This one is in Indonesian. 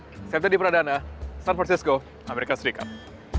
pilih kuryawan siap siap di peradangan san francisco amerika serikat